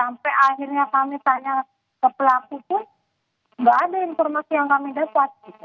sampai akhirnya kami tanya ke pelaku pun nggak ada informasi yang kami dapat